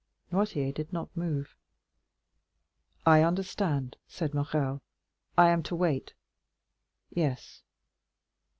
Noirtier did not move. "I understand," said Morrel; "I am to wait." "Yes."